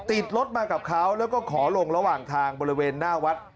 ติดรถมากับเขาแล้วก็ขอลงระหว่างทางบริเวณหน้าวัด